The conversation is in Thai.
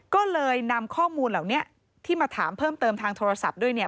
ก็เลยนำข้อมูลเหล่านี้ที่มาถามเพิ่มเติมทางโทรศัพท์ด้วยเนี่ย